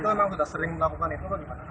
itu emang sudah sering melakukan itu atau gimana